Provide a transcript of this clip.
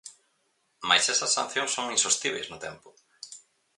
Mais esas sancións son insostíbeis no tempo.